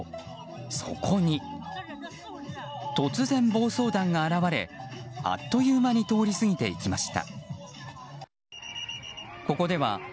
そこに突然、暴走団が現れあっという間に通り過ぎていきました。